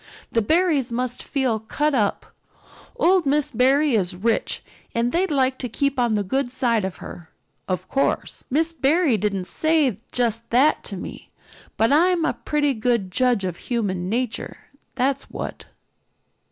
The Barrys must feel cut up. Old Miss Barry is rich and they'd like to keep on the good side of her. Of course, Mrs. Barry didn't say just that to me, but I'm a pretty good judge of human nature, that's what."